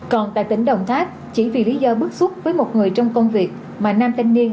còn tại tỉnh đồng tháp chỉ vì lý do bức xúc với một người trong công việc mà nam thanh niên